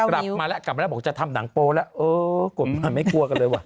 ได้สิกลับมาแล้วบอกจะทำหนังโปรแล้วเออกดมาไม่กลัวกันเลยว่ะ